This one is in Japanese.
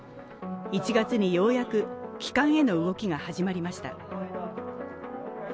１月にようやく帰還への動きが始まりました。